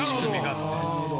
なるほど。